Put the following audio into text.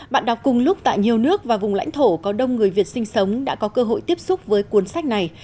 bạn đọc cùng lúc tại nhiều nước và vùng lãnh thổ có đông người việt sinh sống đã có cơ hội tiếp xúc với cuốn sách này